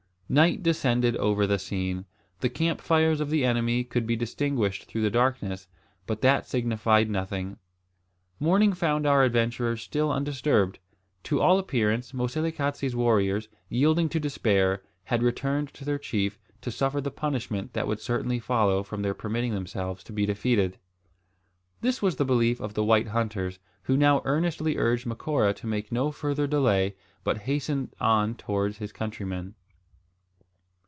Night descended over the scene. The camp fires of the enemy could be distinguished through the darkness; but that signified nothing. Morning found our adventurers still undisturbed. To all appearance Moselekatse's warriors, yielding to despair, had returned to their chief, to suffer the punishment that would certainly follow from their permitting themselves to be defeated. This was the belief of the white hunters, who now earnestly urged Macora to make no further delay, but hasten on towards his countrymen.